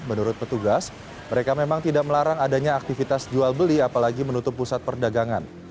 menurut petugas mereka memang tidak melarang adanya aktivitas jual beli apalagi menutup pusat perdagangan